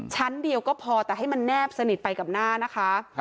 ชั้นเดียวก็พอแต่ให้มันแนบสนิทไปกับหน้านะคะ